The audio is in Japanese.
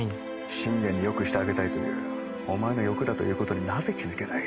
シンゲンに良くしてあげたいというお前の欲だという事になぜ気づけない。